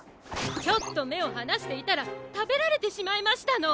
ちょっとめをはなしていたらたべられてしまいましたの。